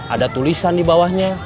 ada tulisan dibawahnya